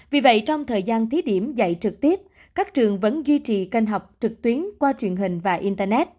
vì vậy trong thời gian thí điểm dạy trực tiếp các trường vẫn duy trì kênh học trực tuyến qua truyền hình và internet